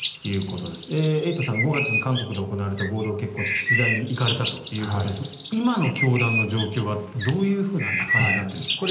エイトさん５月に韓国で行われた合同結婚式取材に行かれたということですが今の教団の状況はどういう感じになってるんでしょうか？